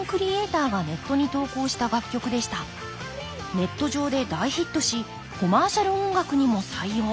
ネット上で大ヒットしコマーシャル音楽にも採用。